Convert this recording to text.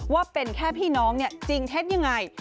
ว่าเป็นแค่พี่น้องจริงเท็จยังไง